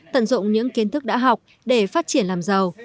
tận dụng những kiến thức đã học để phát triển làm giàu